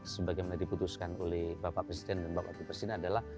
sebagaimana diputuskan oleh bapak presiden dan bapak presiden adalah